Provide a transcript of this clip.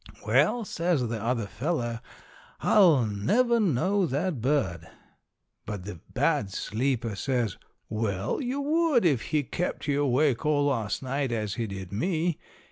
Well, says the other fellow, "I'll never know that bird." But the bad sleeper says, "Well, you would if he kept you awake all last night as he did me.